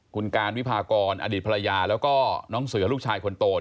คุณการวิพากรอดีตภรรยาแล้วก็น้องเสือลูกชายคนโต